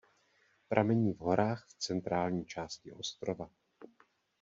Pramení v horách v centrální části ostrova.